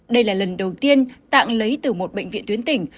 đây là lần đầu tiên tạng lấy từ một bệnh viện tuyến tỉnh